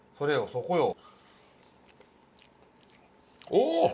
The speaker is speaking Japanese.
お！